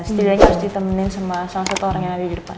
setidaknya harus ditemenin sama salah satu orang yang ada di depan